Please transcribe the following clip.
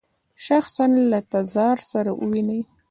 شخصاً له تزار سره وویني.